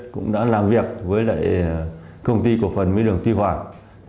cũng đã làm việc với lại công ty của phần mía đường thi hoạch